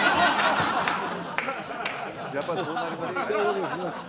やっぱりそうなりますよね